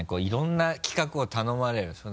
いろんな企画を頼まれる。